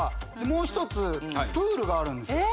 もうひとつプールがあるんですよ。